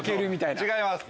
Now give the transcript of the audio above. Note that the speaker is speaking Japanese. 違います。